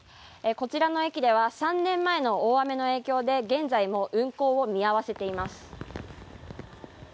こちらの駅では３年前の大雨の影響で現在も運行を見合わせています。